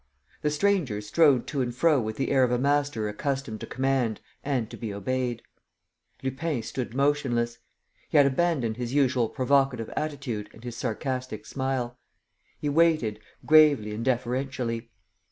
The stranger strode to and fro with the air of a master accustomed to command and to be obeyed. Lupin stood motionless. He had abandoned his usual provocative attitude and his sarcastic smile. He waited, gravely and deferentially.